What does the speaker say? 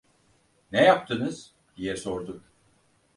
"Ne yaptınız?" diye sordu.